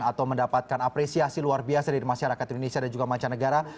atau mendapatkan apresiasi luar biasa dari masyarakat indonesia dan juga mancanegara